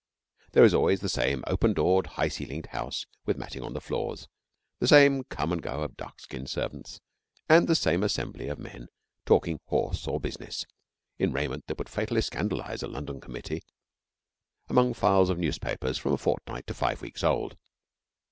There is always the same open doored, high ceiled house, with matting on the floors; the same come and go of dark skinned servants, and the same assembly of men talking horse or business, in raiment that would fatally scandalise a London committee, among files of newspapers from a fortnight to five weeks old.